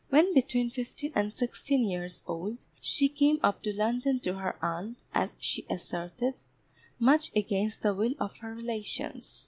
When between fifteen and sixteen years old, she came up to London to her aunt, as she asserted, much against the will of her relations.